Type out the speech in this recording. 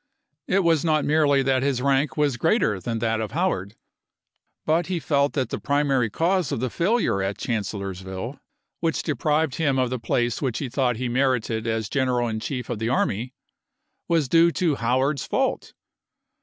It was not merely that his rank was greater than that of Howard, but he felt that the primary cause of the failure at Chancellorsville, which deprived him of the place which he thought he merited as gen eral in chief of the army, was due to Howard's fault.